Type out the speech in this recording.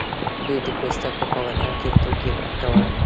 دوی د پوستکو په بدل کې توکي ورکول.